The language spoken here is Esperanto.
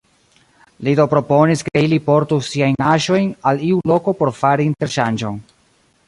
Li do proponis, ke ili portu siajn aĵojn al iu loko por fari interŝanĝon.